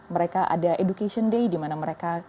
mereka ada education day dimana mereka